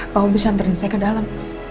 kau bisa antri saya ke dalam